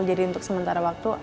jadi untuk sementara waktu